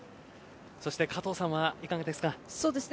そして加藤さんはいかがですか。